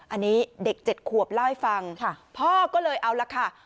อันนี้เด็ก๗ขวบเล่าให้ฟังพ่อก็เลยเอาละค่ะ